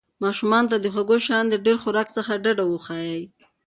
ماشومانو ته د خوږو شیانو د ډېر خوراک څخه ډډه وښایئ.